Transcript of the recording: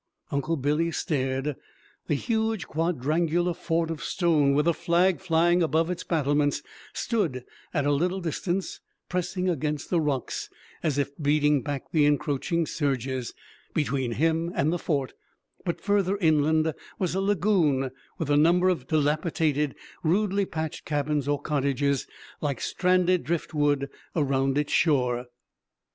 Uncle Billy stared. A huge quadrangular fort of stone with a flag flying above its battlements stood at a little distance, pressed against the rocks, as if beating back the encroaching surges; between him and the fort but farther inland was a lagoon with a number of dilapidated, rudely patched cabins or cottages, like stranded driftwood around its shore.